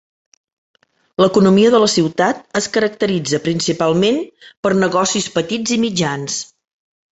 L'economia de la ciutat es caracteritza principalment per negocis petits i mitjans.